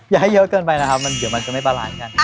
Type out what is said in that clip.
ย้ายเยอะเกินไปนะครับเดี๋ยวมันจะไม่ประหลานกัน